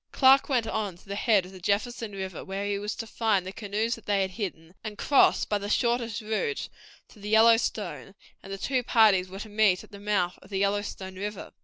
Clark went on to the head of the Jefferson River, where he was to find the canoes that they had hidden, and cross by the shortest route to the Yellowstone; and the two parties were to meet at the mouth of the Yellowstone River.